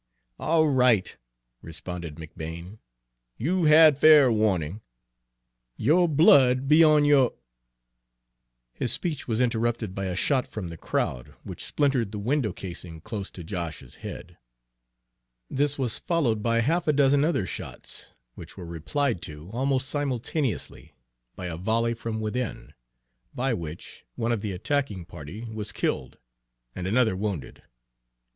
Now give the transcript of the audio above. "All right," responded McBane. "You've had fair warning. Your blood be on your" His speech was interrupted by a shot from the crowd, which splintered the window casing close to Josh's head. This was followed by half a dozen other shots, which were replied to, almost simultaneously, by a volley from within, by which one of the attacking party was killed and another wounded.